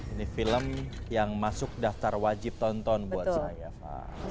ini film yang masuk daftar wajib tonton buat saya pak